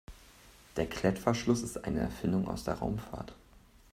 Der Klettverschluss ist eine Erfindung aus der Raumfahrt.